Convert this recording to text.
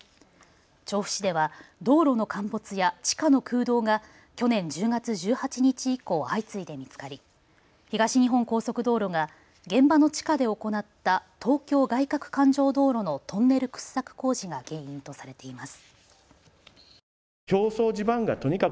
調布市では道路の陥没や地下の空洞が去年１０月１８日以降、相次いで見つかり東日本高速道路が現場の地下で行った東京外かく環状道路のトンネル掘削工事が原因とされています。